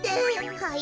はい？